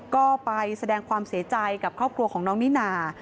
ก็ไปแสดงความเสียใจกับครอบครัวของน้องนิน่า